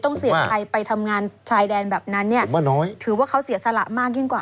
เสี่ยงใครไปทำงานชายแดนแบบนั้นเนี่ยถือว่าเขาเสียสละมากยิ่งกว่า